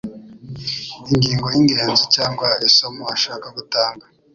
ingingo y'ingenzi cyangwa isomo ashaka gutanga